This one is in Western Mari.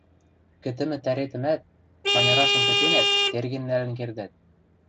Кӹтӹмӹ тӓретӹмӓт, манярашым кӹтенӓт, терген нӓлӹн кердӓт.